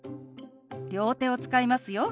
両手を使いますよ。